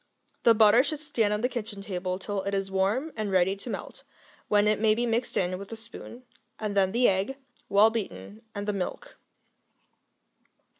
The butter should stand on the kitchen table till it is warm and ready to melt, when it may be mixed in with a spoon, and then the egg, well beaten, and the milk.